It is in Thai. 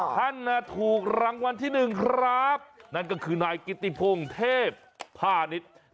ท่านถูกรางวัลที่หนึ่งครับนั่นก็คือนายกิติพงศ์เทพพาณิชย์